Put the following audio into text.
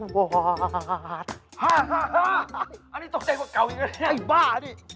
อันนี้ตกใจกว่าเก่าอีกแล้วนะไอ้บ้านี่